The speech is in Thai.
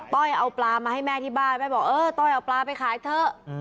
้อยเอาปลามาให้แม่ที่บ้านแม่บอกเออต้อยเอาปลาไปขายเถอะ